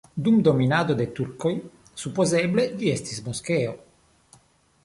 Dum dominado de turkoj supozeble ĝi estis moskeo.